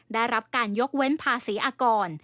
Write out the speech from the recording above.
ได้รับการยกเว้นภาษีอากร